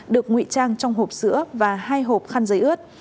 được ngụy trang trong hộp sữa và hai hộp khăn giấy ướt